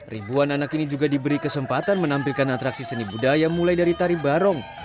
ribuan anak ini juga diberi kesempatan menampilkan atraksi seni budaya mulai dari tari barong